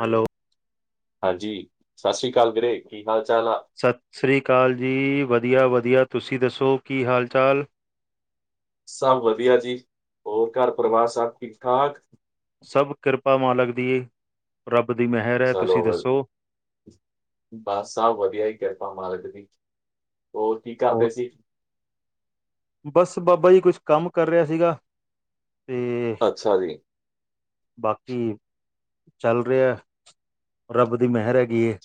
Hello! ਹਾਂਜੀ, ਸਤਿ ਸ੍ਰੀ ਅਕਾਲ ਵੀਰੇ, ਕੀ ਹਾਲ ਚਾਲ ਆ? ਸਤਿ ਸ਼੍ਰੀ ਅਕਾਲ ਜੀ, ਵਧੀਆ- ਵਧੀਆ, ਤੁਸੀਂ ਦੱਸੋ ਕੀ ਹਾਲ ਚਾਲ? ਸਭ ਵਧੀਆ ਜੀ, ਹੋਰ ਘਰ ਪਰਿਵਾਰ ਸਭ ਠੀਕ ਠਾਕ? ਸਭ ਕਿਰਪਾ ਮਾਲਕ ਦੀ, ਰੱਬ ਦੀ ਮੈਹਰ ਹੈ, ਚਲੋ ਤੁਸੀਂ ਵ- ਦੱਸੋ? ਬਸ ਸੱਭ ਵਧੀਆ ਜੀ, ਕਿਰਪਾ ਮਾਲਕ ਦੀ, ਹੋਰ ਕੀ ਕਰਦੇ ਹੋਰ ਸੀ? ਬਸ ਬਾਬਾ ਜੀ ਕੁਛ ਕੰਮ ਕਰ ਰਿਹਾ ਸੀਗਾ। ਤੇ ਅੱਛਾ ਜੀ ਬਾਕੀ ਚੱਲ ਰਿਹਾ, ਰੱਬ ਦੀ ਮਹਿਰ ਹੈਗੀ ਏ।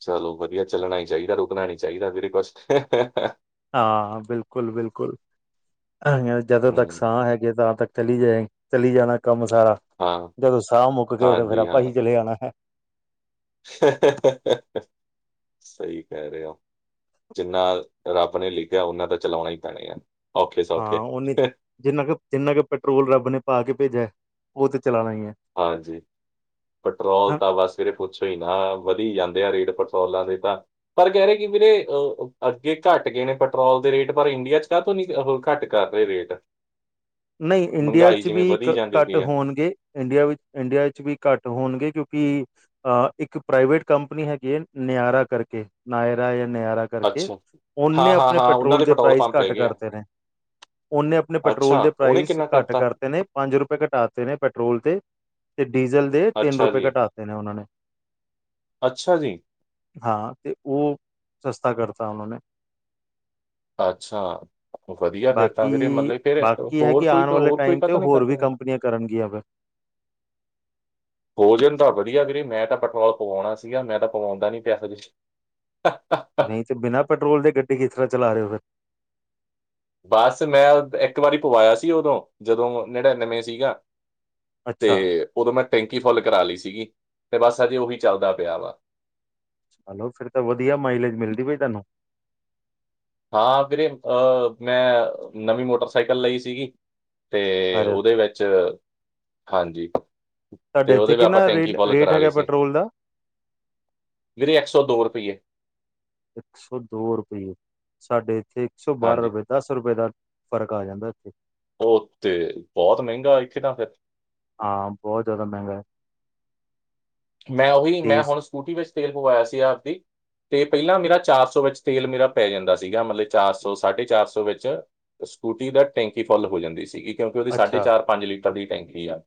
ਚਲੋ ਵਧੀਆ ਚੱਲਣਾ ਹੀ ਚਾਹੀਦਾ ਰੁਕਣਾ ਨੀ ਚਾਹੀਦਾ ਵੀਰੇ ਬੱਸ। ਹਾਂ ਬਿਲਕੁਲ। ਬਿਲਕੁਲ ਜਦੋਂ ਤੱਕ ਹਮ, ਸਾਹ ਹੈਗੇ ਤਾਂ ਤੱਕ ਚਲੀ ਜਾਏਗੀ ਚਲੀ ਜਾਣਾ ਕੰਮ ਸਾਰਾ ਹਾਂ ਜਦੋਂ ਸਾਹ ਮੁੱਕ ਗਏ ਤੇ ਫ਼ਿਰ ਹਾਂਜੀ ਆਪਾ ਹਾਂ ਹੀ ਚਲੇ ਜਾਣਾ ਹੈ। [unintelligible] ਸਹੀ ਕਹਿ ਰਹੇ ਹੋ ਜਿੰਨਾ ਰੱਬ ਨੇ ਲਿਖਿਆ ਉਨਾ ਤਾਂ ਚਲਾਉਣਾ ਹੀ ਪੈਣੇ ਹੈ। ਔਖੇ ਹਾਂ ਸੌਖੇ ਉਹਨੇ ਜਿੰਨਾ ਕਿ ਜਿੰਨਾ ਕਿ ਪੈਟਰੋਲ ਰੱਬ ਨੇ ਪਾ ਕੇ ਭੇਜਿਆ ਉਹ ਤੇ ਚਲਾਣਾ ਹੀ ਹੈ ਹਾਂਜੀ। ਪੈਟਰੋਲ ਤਾਂ ਬਸ ਵੀਰੇ ਪੁੱਛੋ ਹੀ ਨਾ ਵਧੀ ਜਾਂਦੇ ਆ ਰੇਟ ਪੈਟਰੋਲਾਂ ਦੇ ਤਾਂ। ਪਰ ਕਹਿ ਰਹੇ ਕਿ ਵੀਰੇ ਅੱਗੇ ਘੱਟ ਗਏ ਨੇ ਪੈਟਰੋਲ ਦੇ ਰੇਟ ਪਰ ਇੰਡੀਆ ਚ ਕਾਹ ਤੋਂ ਨੀ ਘੱਟ। ਕਰ ਦਾ ਈ ਰੇਟ। ਨਹੀਂ ਇੰਡੀਆ ਮਹਿੰਗਾਈ ਚ ਜਿਵੇਂ ਵੀ ਵਧੀ ਜਾਂਦੀ ਘੱਟ ਪਈ ਆ ਹੋਣਗੇ। ਇੰਡੀਆ ਵਿੱਚ ਇੰਡੀਆ ਵਿੱਚ ਵੀ ਘੱਟ ਹੋਣਗੇ ਕਿਉਂਕਿ। ਅ ਇੱਕ ਪ੍ਰਾਈਵੇਟ ਕੰਪਨੀ ਹੈਗੀ ਹੈ ਨਿਆਰਾ ਕਰਕੇ ਨਾਇਰਾ ਯਾਂ ਨਿਆਰਾ। ਕਰਕੇ ਅੱਛਾ ਓਨੇ ਹਾਂ ਹਾਂ ਆਪਣੇ ਹਾਂ ਉਹਨਾਂ ਪੈਟਰੋਲ ਦੇ ਪ੍ਰਾਈਸ ਪੰਪ ਘੱਟ ਹੈਗੇ ਆ ਕਰਤੇ ਨੇ। ਉਹਨੇ ਆਪਣੇ ਪੈਟਰੋਲ ਅੱਛਾ ਦੇ ਉਹਨੇ ਪ੍ਰਾਈਸ ਕਿੰਨਾ ਘੱਟ ਕਰਤਾ ਕਰਤੇ ਨੇ ਪੰਜ ਰੁਪਏ ਘਟਾਤੇ ਨੇ ਪੈਟਰੋਲ ਤੇ ਤੇ ਡੀਜ਼ਲ ਦੇ ਤਿੰਨ ਅੱਛਾ ਰੁਪਏ ਜੀ ਘਟਾਤੇ ਨੇ ਉਹਨਾਂ ਨੇ। ਅੱਛਾ ਜੀ। ਹਾਂ ਤੇ ਉਹ ਸਸਤਾ ਕਰਤਾ ਉਹਨਾਂ ਨੇ ਅੱਛਾ ਵਧੀਆ ਫਿਰ ਤਾਂ ਵਿਰੇ ਬਾਕੀ ਮਤਲਬ ਕਿ ਤੋਂ ਬਾਕੀ ਹੈ ਕਿ ਆਉਣ ਵਾਲੇ ਟਾਈਮ ਤੇ ਹੋਰ ਵੀ ਕੰਪਨੀਆਂ ਕਰਨਗੀਆਂ ਫਿਰ ਭੋਜਨ ਤਾਂ ਵਧੀਆ ਵੀਰੇ ਮੈਂ ਤਾਂ ਪੈਟਰੋਲ ਪਵਾਉਣਾ ਸੀਗਾ ਮੈਂ ਤਾਂ ਪਵਾਉਂਦਾ ਨੀ ਪਿਆਸਦੇੇ [unintelligible] ਨਹੀਂ ਬਿਨਾਂ ਪੈਟਰੋਲ ਦੇ ਗੱਡੀ ਕਿਸ ਤਰ੍ਹਾਂ ਚਲਾ ਰਹੇ ਹੋ ਫਿਰ ਬਸ ਮੈਂ ਇੱਕ ਵਾਰੀ ਪਵਾਇਆ ਸੀ ਉਦੋਂ ਜਦੋਂ ਨੜਿਨਵੇਂ ਸੀਗਾ ਤੇ ਅੱਛਾ ਉਦੋਂ ਮੈਂ ਟੈਂਕੀ ਫੁੱਲ ਕਰਾ ਲਈ ਸੀਗੀ ਤੇ ਬਸ ਅਜੇ ਉਹੀ ਚੱਲਦਾ ਪਿਆ ਵਾ ਹੈਲੋ ਫਿਰ ਤਾਂ ਵਧੀਆ ਮਾਈਲੇਜ ਮਿਲਦੀ ਬਈ ਤੁਹਾਨੂੰ ਹਾਂ ਵੀਰੇ ਅਹ ਮੈਂ ਨਵੀਂ ਮੋਟਰਸਾਈਕਲ ਲਈ ਸੀਗੀ ਤੇ ਅਰੇ ਉਹਦੇ ਵਿੱਚ ਹਾਂਜੀ ਤੁਹਾਡੇ ਤੇ ਇੱਥੇ ਉਹਦੇ ਵੀ ਆਪਾਂ ਕਿੰਨਾ ਰੇ ਟੈਂਕੀ ਫੁਲ ਰੇਟ ਕਰਾ ਹੈਗਾ ਲਈ ਸੀ ਪੈਟਰੋਲ ਦਾ ਵੀਰੇ ਇੱਕ ਸੌ ਦੋ ਰੁਪਈਏ ਇੱਕ ਸੌ ਦੋ ਰੁਪਈਏ ਸਾਡੇ ਇੱਥੇ ਇੱਕ ਸੌ ਬਾਰਾਂ ਹਾਂਜੀ ਰੁਪਏ ਦਸ ਰੁਪਏ ਦਾ ਫ਼ਰਕ ਆ ਜਾਂਦਾ ਇੱਥੇ ਉਹ ਤੇ ਬਹੁਤ ਮਹਿੰਗਾ ਇਥੇ ਤਾਂ ਫਿਰ ਹਾਂ ਬਹੁਤ ਜ਼ਿਆਦਾ ਮਹਿੰਗਾ ਹੈ ਮੈਂ ਉਹੀ ਮੈਂ ਤੇਜ਼ ਹੁਣ ਸਕੂਟੀ ਵਿੱਚ ਤੇਲ ਪਵਾਇਆ ਸੀ ਆਪਦੀ ਤੇ ਪਹਿਲਾਂ ਮੇਰਾ ਚਾਰ ਸੌ ਵਿੱਚ ਤੇਲ ਮੇਰਾ ਪੈ ਜਾਂਦਾ ਸੀਗਾ ਮਤਲਬ ਚਾਰ ਸੌ ਸਾਢੇ ਚਾਰ ਸੌ ਵਿੱਚ ਸਕੂਟੀ ਦਾ ਟੈਂਕੀ ਫੁੱਲ ਹੋ ਜਾਂਦੀ ਸੀਗੀ ਕਿਉਂਕਿ ਉਹਦੀ ਸਾਢੇ ਅੱਛਾ ਚਾਰ ਪੰਜ ਲੀਟਰ ਦੀ ਟੈਂਕੀ ਆ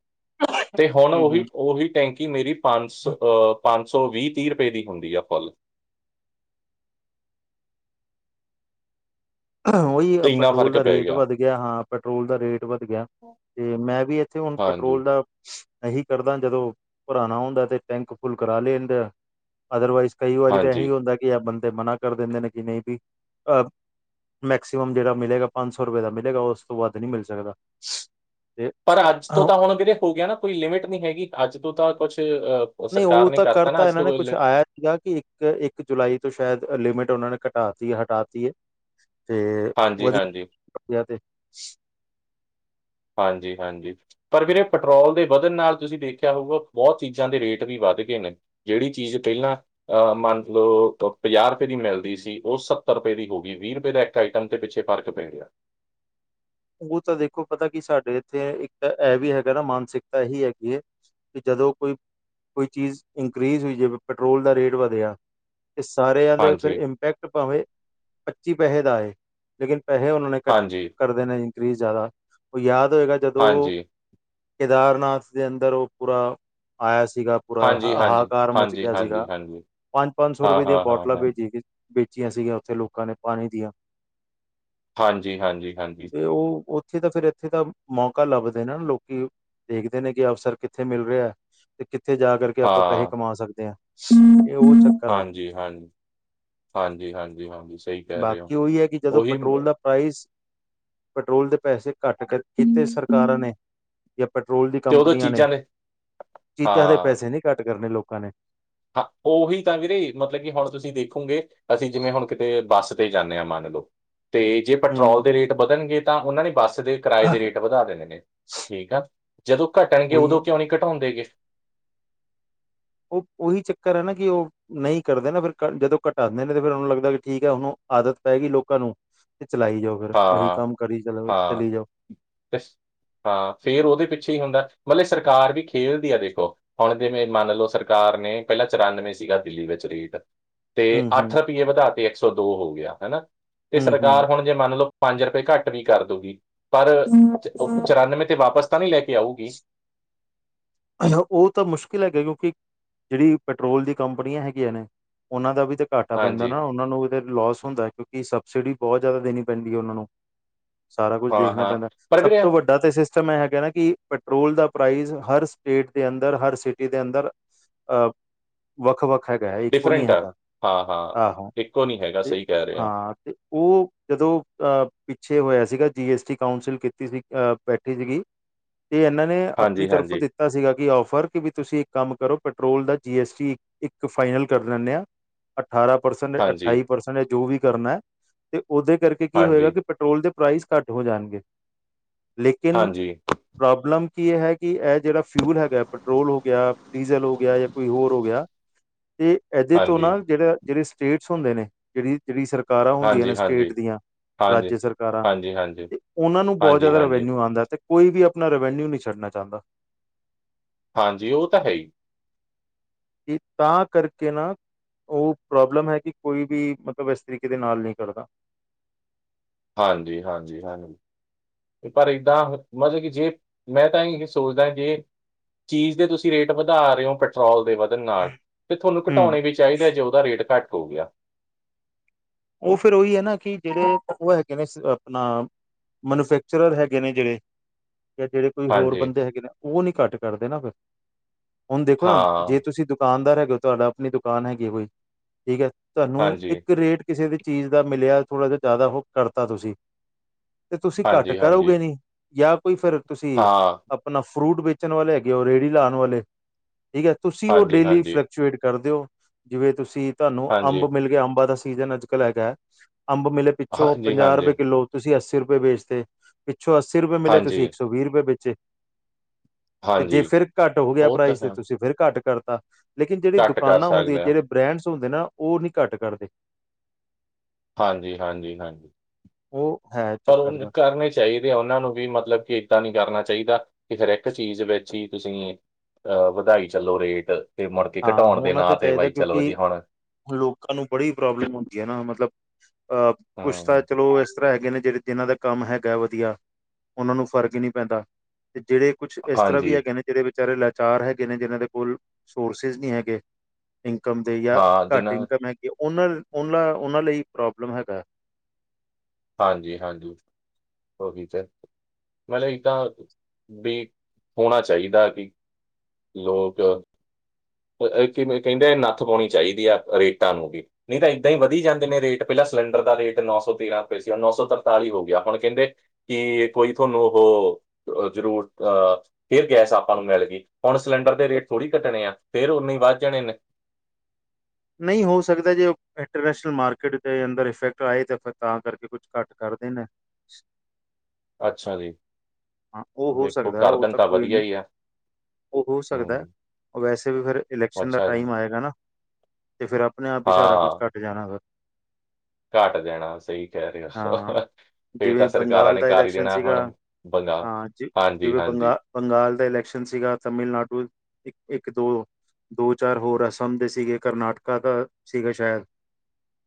ਤੇ ਹੁਣ ਹੂੰ ਉਹੀ ਹੂੰ ਉਹੀ ਟੈਂਕੀ ਮੇਰੀ ਪੰਜ ਸੌ ਅਹ ਪੰਜ ਸੌ ਵੀਹ ਤੀਹ ਰੁਪਏ ਦੀ ਹੁੰਦੀ ਆ ਫੁੱਲ ਉਹੀ ਇੰਨਾ ਪੈਟਰੋਲ ਫਰਕ ਦਾ ਪੈ ਰੇਟ ਵੱਧ ਗਿਆ ਹਾਂ ਪੈਟਰੋਲ ਦਾ ਰੇਟ ਵੱਧ ਗਿਆ ਤੇ ਮੈਂ ਵੀ ਇੱਥੇ ਹੁਣ ਹਾਂਜੀ ਪੈਟਰੋਲ ਦਾ ਇਹੀ ਕਰਦਾ ਜਦੋਂ ਭਰਾਨਾ ਹੁੰਦਾ ਤੇ ਟੈਂਕ ਫੁੱਲ ਕਰਾ ਲੈਦੇ ਆ ਅਦਰਵਾਈਜ਼ ਕਈ ਵਾਰੀ ਤਾਂ ਹਾਂਜੀ ਇਹੀ ਹੁੰਦਾ ਕਿ ਬੰਦੇ ਮਨਾ ਕਰ ਦਿੰਦੇ ਨੇ ਕਿ ਨਹੀਂ ਵੀ ਅਹ ਮੈਕਸੀਮਮ ਜਿਹੜਾ ਮਿਲੇਗਾ ਪੰਜ ਸੌ ਰੁਪਏ ਦਾ ਮਿਲੇਗਾ ਉਸ ਤੋਂ ਵੱਧ ਨੀ ਮਿਲ ਸਕਦਾ ਤੇ ਪਰ ਅੱਜ ਤੋਂ ਤਾਂ ਹੁਣ ਜੇ ਹੋ ਗਿਆ ਨਾ ਕੋਈ ਲਿਮਿਟ ਨਹੀਂ ਹੈਗੀ ਅੱਜ ਤੋਂ ਤਾਂ ਕੁਛ ਅ ਨਹੀਂ ਉਹ ਤਾਂ ਕਰਤਾ ਇਹਨਾਂ ਨੇ ਕੁਛ ਆਇਆ ਗਾ ਕਿ ਇੱਕ ਇੱਕ ਜੁਲਾਈ ਤੋਂ ਸ਼ਾਇਦ ਲਿਮਿਟ ਉਹਨਾਂ ਨੇ ਘਟਾਤੀ -ਹਟਾਤੀ ਹੈ। ਤੇ, ਹਾਂਜੀ ਵਧੀਆ- ਹਾਂਜੀ ਵਧੀਆ ਤੇ। ਹਾਂਜੀ- ਹਾਂਜੀ। ਪਰ ਵੀਰੇ ਇਹ ਪੈਟਰੋਲ ਦੇ ਵਧਣ ਨਾਲ ਤੁਸੀਂ ਦੇਖਿਆ ਹੋਊਗਾ ਬਹੁਤ ਚੀਜ਼ਾਂ ਦੇ ਰੇਟ ਵੀ ਵੱਧ ਗਏ ਨੇ। ਜਿਹੜੀ ਚੀਜ਼ ਪਹਿਲਾਂ ਮੰਨ ਲਓ ਪੰਜਾਹ ਰੁਪਏ ਦੀ ਮਿਲਦੀ ਸੀ ਉਹ ਸੱਤਰ ਰੁਪਏ ਦੀ ਹੋ ਗਈ ਵੀਹ ਰੁਪਏ ਦਾ ਆਈਟਮ ਤੇ ਪਿੱਛੇ ਫਰਕ ਪੈ ਗਿਆ। ਉਹ ਤਾਂ ਦੇਖੋ ਪਤਾ ਕਿ ਸਾਡੇ ਇੱਥੇ ਇੱਕ ਤਾਂ ਇਹ ਵੀ ਹੈਗਾ ਨਾ ਮਾਨਸਿਕਤਾ ਇਹੀ ਹੈਗੀ ਹੈ। ਕਿ ਜਦੋਂ ਕੋਈ, ਕੋਈ ਚੀਜ਼ ਇਨਕਰੀੀਜ਼ ਹੋਈ ਜਾਵੇ ਪੈਟਰੋਲ ਦਾ ਰੇਟ ਵਧਿਆ। ਇਹ ਸਾਰਿਆਂ ਦੇ ਫਿਰ ਹਾਂਜੀ, ਇੰਪੈਕਟ ਭਾਵੇਂ ਪੱਚੀ ਪੈਸੇ ਦਾ ਆਏ। ਲੇਕਿਨ ਪੈਸੇ ਉਹਨਾਂ ਨੇ ਕੱਟ ਹਾਂਜੀ, ਕਰਦੇ ਨੇ ਇਨਕਰੀਜ਼ ਜ਼ਿਆਦਾ। ਉਹ ਯਾਦ ਹੋਏਗਾ ਜਦੋਂ ਹਾਂਜੀ, ਕੇਦਾਰਨਾਥ ਦੇ ਅੰਦਰ ਉਹ ਪੂਰਾ ਆਇਆ ਸੀਗਾ। ਪੂਰਾ ਹਾਂਜੀ, ਹਾਂਜੀ, ਹਹਾਕਾਰ ਮਚ ਹਾਂਜੀ, ਗਿਆ ਹਾਂਜੀ, ਸੀਗਾ। ਹਾਂਜੀ। ਪੰਜ- ਪੰਜ ਸੌ ਹਾਂ, ਰੁਪਏ ਦੀਆਂ ਹਾਂ, ਹਾਂ, ਬੋਟਲਾਂ ਹਾਂ। ਭੇਚੀ ਸੀ। ਵੇਚੀਆਂ ਸੀਗੀਆਂ ਉੱਥੇ ਲੋਕਾਂ ਨੇ ਪਾਣੀ ਦੀਆਂ। ਹਾਂਜੀ -ਹਾਂਜੀ -ਹਾਂਜੀ। ਤੇ ਉਹ ਉੱਥੇ ਤਾਂ ਫਿਰ ਇੱਥੇ ਤਾਂ ਮੌਕਾ ਲੱਭਦੇ ਨੇ ਲੋਕੀ। ਦੇਖਦੇ ਨੇ ਕਿ ਅਫਸਰ ਕਿੱਥੇ ਮਿਲ ਰਿਹਾ। ਤੇ ਕਿੱਥੇ ਜਾ ਕੇ ਕਰਕੇ ਆਪਾਂ ਪੈਸੇ ਹਾਂ। ਕਮਾ ਸਕਦੇ ਹਾਂ। ਇਹ ਉਹ ਚੱਕਰ ਹੈ। ਹਾਂਜੀ, ਹਾਂਜੀ, ਹਾਂਜੀ- ਹਾਂਜੀ- ਹਾਂਜੀ, ਸਹੀ ਕਹਿ ਰਹੇ ਹੋ। ਬਾਕੀ ਉਹੀ ਹੈ ਕਿ ਜਦੋਂ ਉਹੀ ਪੈਟਰੋਲ ਮ- ਦਾ ਪ੍ਰਾਈਸ, ਪੈਟਰੋਲ ਦੇ ਪੈਸੇ ਘੱਟ ਕੀਤੇ ਸਰਕਾਰਾਂ ਨੇ। ਜਾਂ ਪੈਟਰੋਲ ਦੀ ਤੇ ਉਦੋਂ ਕੰਪਨੀਆਂ ਨੇ। ਚੀਜ਼ਾਂ ਚੀਜ਼ਾਂ ਦੇ ਹਾਂ। ਪੈਸੇ ਨਹੀਂ ਘੱਟ ਕਰਨੇ ਲੋਕਾਂ ਨੇ। ਹਾਂ ਉਹੀ ਤਾਂ ਵੀਰੇ ਮਤਲਬ ਕਿ ਹੁਣ ਤੁਸੀਂ ਦੇਖੋਗੇ। ਅਸੀਂ ਜਿਵੇਂ ਹੁਣ ਕਿਤੇ ਬੱਸ ਤੇ ਜਾਂਦੇ ਹਾਂ ਮੰਨ ਲਓ। ਤੇ ਜੇ ਪੈਟਰੋਲ ਹਮ ਦੇ ਰੇਟ ਵਧਣਗੇ ਤਾਂ ਉਹਨਾਂ ਨੇ ਬੱਸ ਦੇ ਕਿਰਾਏ ਦੇ ਰੇਟ ਵਧਾ ਦਿੰਦੇ ਨੇ। ਠੀਕ ਆ। ਜਦੋਂ ਘਟਣਗੇ ਉਹੀ ਉਦੋਂ ਕਿਉਂ ਨਹੀਂ ਘਟਾਉਂਦੇ ਗਏ। ਉਹ ਉਹੀ ਚੱਕਰ ਹੈ ਨਾ ਕਿ ਉਹ ਨਹੀਂ ਕਰਦੇ ਨਾ ਫਿਰ ਜਦੋਂ ਘਟਾਉਂਦੇ ਨੇ ਤੇ ਫਿਰ ਉਹਨੂੰ ਲੱਗਦਾ ਕਿ ਠੀਕ ਹੈ ਹੁਣ ਆਦਤ ਪਏਗੀਈ ਲੋਕਾਂ ਨੂੰ। ਤੇ ਚਲਾਈ ਜਾਓ। ਫੇਰ ਉਹੀ ਹਾਂ ਕੰਮ ਕਰੀ ਚ' ਹਾਂ ਚਲੀ ਜਾਓ। ਤੇ ਹਾਂ ਫੇਰ ਉਹਦੇ ਪਿੱਛੇ ਹੀ ਹੁੰਦਾ ਮਤਲਬ ਸਰਕਾਰ ਵੀ ਖੇਲਦੀ ਹੈ ਦੇਖੋ। ਹੁਣ ਜਵੇਂ ਮੰਨ ਲਓ ਸਰਕਾਰ ਨੇ ਪਹਿਲਾਂ ਚੁਰਾਨਵੇਂ ਸੀਗਾ ਦਿੱਲੀ ਵਿੱਚ ਰੇਟ। ਤੇ ਹੂੰ ਅੱਠ ਹੂੰ ਰੁਪਈਏ ਵਧਾ ਤੇ ਇੱਕ ਸੌ ਦੋ ਹੋ ਗਿਆ ਹਨਾ। ਤੇ ਹੂੰ ਸਰਕਾਰ ਹੂੰ ਹੁਣ ਤੇ ਮੰਨ ਲਓ ਪੰਜ ਰੁਪਏ ਘੱਟ ਵੀ ਕਰ ਦੂਗੀ। ਪਰ ਚੁਰਾਨਵੇਂ ਤੇ ਵਾਪਸ ਤਾਂ ਨਹੀਂ ਲੈ ਕੇ ਆਊਗੀ। ਉਹ ਤਾਂ ਮੁਸ਼ਕਿਲ ਹੈਗਾ ਕਿਉਂਕਿ, ਜਿਹੜੀ ਪੈਟਰੋਲ ਦੀ ਕੰਪਨੀਆਂ ਹੈਗੀਆਂ ਨੇ ਉਹਨਾਂ ਦਾ ਵੀ ਤਾਂ ਘਾਟਾ ਪੈਂਦਾ ਹਾਂਜੀ ਨਾ ਉਹਨਾਂ ਨੂੰ ਉਹਦੇ ਲੋਸ ਹੁੰਦਾ ਕਿਉਂਕਿ ਸਬਸਿਡੀ ਬਹੁਤ ਜ਼ਿਆਦਾ ਦੇਣੀ ਪੈਂਦੀ ਹੈ ਉਹਨਾਂ ਨੂੰ। ਸਾਰਾ ਕੁਝ ਹਾਂ ਦੇਖਣਾ ਹਾਂ ਪੈਂਦਾ ਪਰ ਸਭ ਵੀਰੇ ਤੋਂ ਵੱਡਾ ਤਾਂ ਸਿਸਟਮ ਇਹ ਹੈਗਾ ਨਾ ਕਿ ਪੈਟਰੋਲ ਦਾ ਪ੍ਰਾਈਜ਼ ਹਰ ਹਰ ਸਟੇਟ ਦੇ ਅੰਦਰ, ਹਰ ਸਿਟੀ ਦੇ ਅੰਦਰ ਵੱਖ -ਵੱਖ ਹੈਗਾ ਹੈ ਇੱਕੋ ਨੀ ਡਿਫਰੈਂਟ ਆ ਹੈਗਾ। ਹਾਂ ਹਾਂ ਆਹੋ ਇੱਕੋ ਨਹੀਂ ਹੈਗਾ ਤੇ ਸਹੀ ਕਹਿ ਰਹੇ ਹੋ ਹਾਂ। ਤੇ ਉਹ ਜਦੋਂ, ਪਿੱਛੇ ਹੋਇਆ ਸੀਗਾ ਜੀ ਐਸ ਟੀ ਕਾਂਸਿਲ ਕੀਤੀ ਸੀ ਬੈਠੀ ਸੀਗੀ। [inaudible] ਤੇ ਇਹਨਾਂ ਨੇ ਆਪਣੀ ਹਾਂਜੀ ਤਰਫੋਂ ਹਾਂਜੀ ਦਿੱਤਾ। ਕੀਤਾ ਸੀਗਾ ਕਿ ਔਫਰ ਕਿ ਵੀ ਤੁਸੀਂ ਇੱਕ ਕੰਮ ਕਰੋ ਪੈਟਰੋਲ ਦਾ ਜੀ ਐਸ ਟੀ ਇੱਕ ਫਾਈਨਲ ਕਰ ਦਿੰਦੇ ਆ। ਅਠਾਰਾਂ ਪਰਸੈਂਟ, ਹਾਂਜੀ ਅਠਾਈ ਪਰਸੈਂਟ ਜਾਂ ਜੋ ਵੀ ਕਰਨਾ ਤੇ ਉਹਦੇ ਕਰਕੇ ਕੀ ਹੋਏਗਾ ਹਾਂਜੀ ਕਿ ਪੈਟਰੋਲ ਦੇ ਪ੍ਰਾਈਸ ਘੱਟ ਹੋ ਜਾਣਗੇ। ਲੇਕਿਨ ਹਾਂਜੀ ਪ੍ਰੋਬਲਮ ਕੀ ਹੈ ਕਿ ਇਹ ਜਿਹੜਾ ਫਿਊਲ ਹੈਗਾ ਪੈਟਰੋਲ ਹੋ ਗਿਆ, ਡੀਜ਼ਲ ਹੋ ਗਿਆ ਜਾਂ ਕੋਈ ਹੋਰ ਹੋ ਗਿਆ ਤੇ ਹਾਂਜੀ ਇਹਦੇ ਤੋਂ ਨਾ ਹਾਂਜੀ ਜਿਹੜੇ- ਜਿਹੜੇ ਸਟੇਟਸ ਹੁੰਦੇ ਨੇ ਜਿਹੜੀ- ਜਿਹੜੀ ਸਰਕਾਰਾਂ ਹੁੰਦੀਆਂ ਨੇ ਸਟੇਟ ਹਾਂਜੀ ਦੀਆਂ। ਹਾਂਜੀ ਰਾਜਯ ਸਰਕਾਰਾਂ ਹਾਂਜੀ ਹਾਂਜੀ ਤੇ ਉਹਨਾਂ ਨੂੰ ਬਹੁਤ ਹਾਂਜੀ, ਜ਼ਿਆਦਾ ਹਾਂਜੀ। ਰਵੈਨਿਊ ਆਉਂਦਾ ਤੇ ਕੋਈ ਵੀ ਆਪਣਾ ਰਵੈਨਿਊ ਨਹੀਂ ਛੱਡਣਾ ਚਾਹੁੰਦਾ। ਹਾਂਜੀ ਉਹ ਤਾਂ ਹੈ ਹੀ। ਕਿ ਤਾਂ ਕਰਕੇ ਨਾ ਉਹ ਪ੍ਰੋਬਲਮ ਹੈ ਕਿ ਕੋਈ ਵੀ ਮਤਲਬ ਇਸ ਤਰੀਕੇ ਦੇ ਨਾਲ ਨਹੀਂ ਕਰਦਾ। ਹਾਂਜੀ- ਹਾਂਜੀ- ਹਾਂਜੀ। ਪਰ ਇੱਦਾਂ ਮਤਲਬ ਕਿ ਜੇ ਮੈਂ ਤਾਂ ਇਹੀ ਸੋਚਦਾ ਕਿ ਜੇ ਚੀਜ਼ ਦੇ ਤੁਸੀਂ ਰੇਟ ਵਧਾ ਰਹੇ ਹੋ, ਪੈਟਰੋਲ ਦੇ ਵਧਣ ਨਾਲ ਤੇ ਤੁਹਾਨੂੰ ਹਮ ਘਟਾਉਣੇ ਵੀ ਚਾਹੀਦੇ ਆ, ਜੇ ਉਹਦਾ ਰੇਟ ਘੱਟ ਹੋ ਗਿਆ। ਉਹ ਫਿਰ ਉਹੀ ਹੈ ਨਾ ਕਿ ਜਿਹੜੇ ਉਹ ਹੈਗੇ ਨੇ ਆਪਣਾ ਮੈਨੂਫੈਕਚਰਰ ਹੈਗੇ ਨੇ ਜਿਹੜੇ ਜਾਂ ਜਿਹੜੇ ਕੋਈ ਹੋਰ ਹਾਂਜੀ, ਬੰਦੇ ਹੈਗੇ ਨੇ ਉਹ ਨੀ ਘੱਟ ਕਰਦੇ ਨਾ ਫਿਰ ਹੁਣ ਦੇਖੋ ਨਾ ਜੇ ਹਾਂ। ਤੁਸੀਂ ਦੁਕਾਨਦਾਰ ਹੈਗੇ ਤੁਹਾਡਾ ਆਪਣੀ ਦੁਕਾਨ ਹੈਗੀ ਕੋਈ, ਠੀਕ ਹੈ। ਤੁਹਾਨੂੰ ਹਾਂਜੀ, ਇੱਕ ਰੇਟ ਕਿਸੇ ਦੀ ਚੀਜ਼ ਦਾ ਮਿਲਿਆ ਥੋੜਾ ਜਿਹਾ ਜ਼ਿਆਦਾ ਉਹ ਕਰਤਾ ਤੁਸੀਂ ਤੇ ਤੁਸੀਂ ਘੱਟ ਹਾਂਜੀ, ਹਾਂਜੀ। ਕਰੋਗੇ ਨੀ ਜਾਂ ਕੋਈ ਫਿਰ ਤੁਸੀਂ ਹਾਂ, ਆਪਣਾ ਫਰੂਟ ਵੇਚਣ ਵਾਲੇ ਹੈਗੇ ਐ, ਰੇਹੜੀ ਲਾਉਣ ਵਾਲੇ, ਠੀਕ ਹੈ। ਤੁਸੀਂ ਉਹ ਹਾਂਜੀ, ਡੇਲੀ ਫ ਹਾਂਜੀ, [unintelligible] ਕਰ ਦਿਓ ਜਿਵੇਂ ਤੁਸੀਂ ਤੁਹਾਨੂੰ ਹਾਂਜੀ, ਅੰਬ ਮਿਲ ਗਿਆ। ਅੰਬਾਂ ਦਾ ਸੀਜਨ ਅੱਜ ਕੱਲ੍ਹ ਹੈਗਾ ਹੈ। ਅੰਬ ਮਿਲੇ ਪਿੱਛੋਂ ਹਾਂਜੀ, ਪੰਜਾਹ ਰੁਪਏ ਹਾਂਜੀ, ਕਿੱਲੋ, ਤੁਸੀਂ ਅੱਸੀ ਰੁਪਏ ਵੇਚਦੇ ਪਿੱਛੋਂ ਅੱਸੀ ਰੁਪਏ ਮਿਲੇ, ਤੁਸੀਂ ਹਾਂਜੀ, ਇੱਕ ਸੌ ਵੀਹ ਰੁਪਏ ਵੇਚੇ। ਤੇ ਜੇ ਹਾਂਜੀ। ਫਿਰ ਘੱਟ ਹੋ ਗਿਆ ਉਹ ਤਾਂ ਪ੍ਰਾਈਜ਼ ਤੇ ਹੈ। ਤੁਸੀਂ ਫਿਰ ਘੱਟ ਕਰਤਾ। ਲੇਕਿਨ ਜਿਹੜੀ ਘੱਟ ਕਰ ਦੁਕਾਨਾਂ ਹੁੰਦੀਆਂ, ਸਕਦੇ ਹਾਂ। ਜਿਹੜੇ ਬ੍ਰੈਂਡਸ ਹੁੰਦੇ ਨਾ ਉਹ ਨਹੀਂ ਘੱਟ ਕਰਦੇ। ਹਾਂਜੀ- ਹਾਂਜੀ- ਹਾਂਜੀ ਉਹ ਹੈ ਪਰ ਚੱਕਰ ਉਹ ਦਾ ਕਰਨੇ ਚ ਚਾਹੀਦੇ ਆ ਉਹਨਾਂ ਨੂੰ ਵੀ ਮਤਲਬ ਕਿ ਏਦਾਂ ਨੀ ਕਰਨਾ ਚਾਹੀਦਾ ਕਿ ਹਰੇਕ ਚੀਜ਼ ਵਿੱਚ ਹੀ ਤੁਸੀਂ ਅਹ ਵਧਾਈ ਚੱਲੋ ਰੇਟ ਤੇ ਮੁੜ ਕੇ ਹਾਂ ਘਟਾਉਣ ਦੇ ਹੋਣਾ ਨਾਂ ਤਾਂ ਤੇ, ਚਾਹੀਦਾ ਬਾਈ ਚਲੋ ਜੀ ਕਿਉਂਕਿ ਹੁਣ ਲੋਕਾਂ ਨੂੰ ਬੜੀ ਪ੍ਰੋਬਲਮ ਹੁੰਦੀ ਹੈ ਨਾ ਮਤਲਬ ਅਹ ਕੁਛ ਤਾਂ ਹੂੰ ਚਲੋ ਹੈਗੇ ਨੇ ਜਿਹੜੇ ਜਿਹਨਾਂ ਦਾ ਕੰਮ ਹੈਗਾ ਵਧੀਆ, ਉਹਨਾਂ ਨੂੰ ਫ਼ਰਕ ਹੀ ਨਹੀਂ ਪੈਂਦਾ ਤੇ ਜਿਹੜੇ ਕੁਛ ਇਸ ਤਰ੍ਹਾਂ ਹਾਂਜੀ ਵੀ ਹੈਗੇ ਨੇ, ਜਿਹੜੇ ਵਿਚਾਰੇ ਲਾਚਾਰ ਹੈਗੇ ਨੇ, ਜਿਹਨਾਂ ਦੇ ਕੋਲ ਸੋਰਸਿਸ ਨਹੀਂ ਹੈਗੇ। ਇਨਕਮ ਦੇ ਜਾਂ ਹਾਂ ਘੱਟ ਜਿੰਨਾ ਇਨਕਮ ਹੈਗੀ, ਉਹਨਾਂ - ਉਹਨਾਂ ਉਹਨਾਂ ਲਈ ਪ੍ਰੋਬਲਮ ਹੈਗਾ। ਹਾਂਜੀ- ਹਾਂਜੀ। ਹੋਗੀ ਚੈੱਕ। ਮਤਲਬ ਇਹ ਤਾਂ ਵੀ ਹੋਣਾ ਚਾਹੀਦਾ ਵੀ ਮਤਲਬ ਲੋਕ ਤੇ ਇੱਥੇ ਮੈ ਕਹਿੰਦੇ ਨੱਥ ਪਾਉਣੀ ਚਾਹੀਦੀ ਆ ਰੇਟਾਂ ਨੂੰ ਵੀ। ਨਹੀਂ, ਤਾਂ ਇੱਦਾਂ ਹੀ ਵਧੀ ਜਾਂਦੇ ਨੇ ਰੇਟ, ਪਹਿਲਾਂ ਸਿਲੰਡਰ ਦਾ ਰੇਟ ਨੌ ਸੌ ਤੇਰਾਂ ਰੁਪਏ ਸੀ, ਹੁਣ ਨੌ ਸੌ ਤਰਤਾਲੀ ਹੋ ਗਿਆ। ਹੁਣ ਕਹਿੰਦੇ ਕਿ ਇਹ ਕੋਈ ਤੁਹਾਨੂੰ ਉਹੋ ਅਹ ਜ਼ਰੂਰ, ਅਹ ਫਿਰ ਗੈਸ ਆਪਾਂ ਨੂੰ ਮਿਲ ਗਈ, ਹੁਣ ਸਿਲੰਡਰ ਦੇ ਰੇਟ ਥੋੜੀ ਘੱਟਣੇ ਆ। ਫੇਰ ਉਨੇ ਹੀ ਵੱਧ ਜਾਣੇ ਨੇ। ਨਹੀਂ ਹੋ ਸਕਦਾ, ਜੇ ਇੰਟਰਨੈਸ਼ਨਲ ਮਾਰਕੀਟ ਦੇ ਅੰਦਰ ਇਫੈਕਟ ਆਏ ਤੇ ਫੇਰ ਤਾਂ ਕਰਕੇ ਕੁਝ ਘੱਟ ਕਰਦੇ ਦੇਣ। ਅੱਛਾ ਜੀ ਹਾਂ। ਉਹ ਹੋ ਦੇਖੋ ਸਕਦਾ ਹੈ, ਉਹ ਗਰਦਨ ਤਾਂ ਕੋਈ ਵਧੀਆ ਨਹੀਂ। ਹੀ ਆ ਉਹ ਹੋ ਸਕਦੈ ਹੂੰ ਵੈਸੇ ਵੀ ਫਿਰ ਇਲੈਕਸ਼ਨ ਦਾ ਅੱਛਾ ਟਾਈਮ ਜੀ ਆਏਗਾ ਨਾ ਤੇ ਫੇਰ ਆਪਣੇ ਆਪ ਹੀ ਸਾਰਾ ਕੁਛ ਘੱਟ ਜਾਣਾ ਫੇਰ। ਘੱਟ ਜਾਣਾ। ਸਹੀ ਕਹਿ ਰਹੇ ਹੋ, ਹੋ, ਹੋ। ਫੇਰ ਜਿਵੇਂ ਤਾਂ ਸਰਕਾਰਾਂ ਬੰਗਾਲ ਨੇ ਦਾ ਕਰ ਹੀ ਇਲੈਕਸ਼ਨ ਦੇਣਾ ਸੀਗਾ ਹੁਣ ਪੰਗਾ ਹਾਂ ਜ ਹਾਂਜੀ- ਜਿਵੇਂ ਹਾਂਜੀ। ਬੰਗਾ ਬੰਗਾਲ ਦਾ ਇਲੈਕਸ਼ਨ ਸੀਗਾ, ਤਮਿਲਨਾਡੂ ਇੱਕ-ਇੱਕ, ਦੋ ਦੋ- ਚਾਰ, ਹੋਰ ਆਸਾਮ ਦੇ ਸੀਗੇ ਕਰਨਾਟਕਾ ਦਾ ਸੀਗਾ ਸ਼ਾਇਦ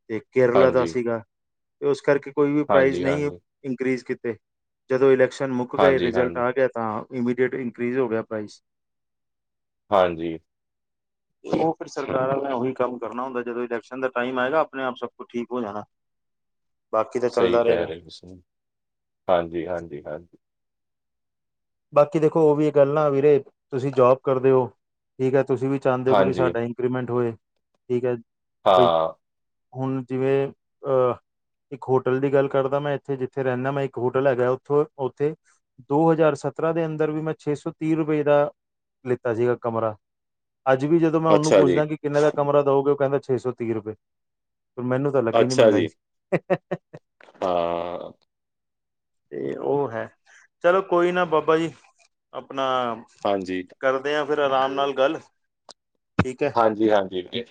ਤੇ ਕੇਰਲਾ ਦਾ ਹਾਂਜੀ ਸੀਗਾ। ਤੇ ਉਸ ਕਰਕੇ ਕੋਈ ਵੀ ਪ੍ਰਾਈਜ਼ ਹਾਂਜੀ ਨਹੀਂ ਹਾਂਜੀ ਇੰਕ੍ਰੀਜ਼ ਕੀਤੇ। ਜਦੋਂ ਇਲੈਕਸ਼ਨ ਮੁੱਕ ਗਏ, ਹਾਂਜੀ ਰਿਜ਼ਲਟ ਹਾਂਜੀ ਆ ਗਿਆ ਤਾਂ ਇਮੀਡੇਟ ਇੰਕ੍ਰੀਜ਼ ਹੋ ਗਿਆ ਪ੍ਰਾਈਜ਼। ਹਾਂਜੀ। ਉਹ ਫਿਰ ਸਰਕਾਰਾਂ ਮੈਂ ਉਹੀ ਕੰਮ ਕਰਨਾ ਹੁੰਦਾ, ਜਦੋਂ ਇਲੈਕਸ਼ਨ ਦਾ ਟਾਈਮ ਆਏਗਾ, ਆਪਣੇ ਆਪ ਸਭ ਕੁਛ ਠੀਕ ਹੋ ਜਾਣਾ। ਬਾਕੀ ਤੇ ਚੱਲਦਾ ਰਹੇਗਾ। [unintelligible] ਹਾਂਜੀ-ਹਾਂਜੀ, ਹਾਂਜੀ। ਬਾਕੀ ਦੇਖੋ, ਉਹ ਵੀ ਇਹ ਗੱਲ ਨਾ ਵੀਰੇ, ਤੁਸੀਂ ਜੋਬ ਕਰਦੇ ਹੋ, ਠੀਕ ਹੈ? ਤੁਸੀਂ ਵੀ ਚਾਹੁੰਦੇ ਹੋ ਕਿ ਵੀ ਹਾਂਜੀ, ਸਾਡਾ ਇਨ ਇੰਕਰੀਮੈਂਟ ਹੋਏ, ਠੀਕ ਹੈ? ਬਈ ਹਾਂ। ਹੁਣ, ਜਿਵੇਂ ਅਹ ਇੱਕ ਹੋਟਲ ਦੀ ਗੱਲ ਕਰਦਾ ਮੈਂ ਇੱਥੇ, ਜਿੱਥੇ ਰਹਿੰਦਾ, ਮੈਂ ਇੱਕ ਹੋਟਲ ਹੈਗਾ, ਉੱਥੋਂ ਉੱਥੇ ਦੋ ਹਜ਼ਾਰ ਸਤਰਾਂ ਦੇ ਅੰਦਰ ਵੀ ਮੈਂ ਛੇ ਸੌ ਤੀਹ ਰੁਪਏ ਦਾ, ਲਿੱਤਾ ਸੀਗਾ ਕਮਰਾ। ਅੱਜ ਵੀ ਜਦੋਂ ਮੈਂ ਉਹਨੂੰ ਅੱਛਾ ਜੀ, ਪੁੱਛਦਾ ਕਿ ਕਿੰਨੇ ਦਾ ਕਮਰਾ ਦਊਗੇ? ਉਹ ਕਹਿੰਦਾ ਛੇ ਸੌ ਤੀਹ ਰੁਪਏ, ਮੈਨੂੰ ਤੋ ਲੱਗੀ ਨਹੀਂ ਅੱਛਾ ਮਹਿੰਗਾਈ ਜੀ, ਸੀ। ਹੇ, ਹੇ, ਹੇ, ਹੇ। ਹਾਂ, ਤੇ ਉਹ ਹੈ, ਚਲੋ ਕੋਈ ਨਾ ਬ ਬਈ, ਆਪਣਾ ਹਾਂਜੀ। ਕਰਦੇ ਹਾਂ ਫਿਰ ਅਰਾਮ ਨਾਲ ਗੱਲ। ਠੀਕ ਹੈ ਹਾਂਜੀ-ਹਾਂਜੀ, [inaudible]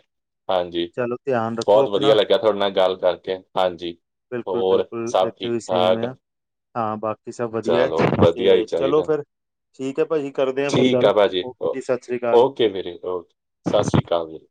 ਹਾਂਜੀ। ਚਲੋ, ਧਿਆਨ ਰੱਖੋ ਬਹੁਤ ਵਧੀਆ ਆਪਣਾ ਲੱਗਿਆ ਤੁਹਾਡੇ ਨਾਲ ਗੱਲ ਕਰਕੇ, ਹਾਂਜੀ, ਬਿਲਕੁਲ ਹੋਰ ਬਿਲਕੁਲ ਸਭ ਇੱਥੇ ਵੀ ਸੇਮ ਠੀਕ-ਠਾਕ? ਆ ਹਾਂ, ਬਾਕੀ ਸਭ ਵਧੀਆ ਚਲੋ ਵਧੀਆ ਹੀ ਤੇ ਚਲੋ ਚਾਹੀਦਾ, ਫਿਰ, ਠੀਕ ਹੈ ਭਾਜੀ ਕਰਦੇ ਹਾਂ ਫਿਰ ਗੱਲ, ਓਕੇ ਜੀ, ਸਤਿ ਸ਼੍ਰੀ ਅਕਾਲ। ਜੀ ਵੀਰੇ, ਓਕੇ। ਸਤਿ ਸ਼੍ਰੀ ਅਕਾਲ ਜੀ।